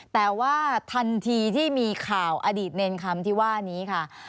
แต่ว่าทันทีที่มีข่าวอดีตเนรคำที่ว่านี้ค่ะ